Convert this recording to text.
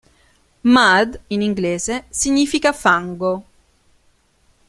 Mud in inglese significa "fango".